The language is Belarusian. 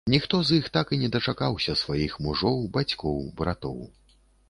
Ніхто з іх так і не дачакаўся сваіх мужоў, бацькоў, братоў.